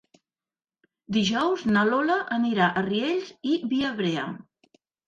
Dijous na Lola anirà a Riells i Viabrea.